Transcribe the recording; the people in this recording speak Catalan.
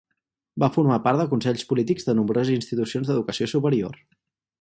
Va formar part de consells polítics de nombroses institucions d'educació superior.